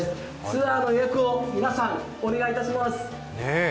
ツアーの予約を皆さん、お願いいたします。